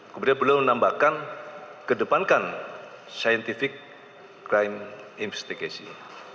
kemudian beliau menambahkan kedepankan scientific crime investigation